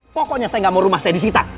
pokoknya saya gak mau rumah saya disita